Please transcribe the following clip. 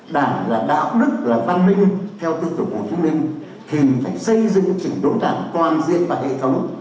đảng là đạo đức là văn minh theo tư tưởng của chúng mình thì phải xây dựng trình độ đảng toàn diện và hệ thống